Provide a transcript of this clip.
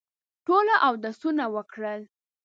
ټولو اودسونه وکړل.